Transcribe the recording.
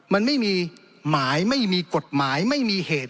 มันไม่มีหมายไม่มีกฎหมายไม่มีเหตุ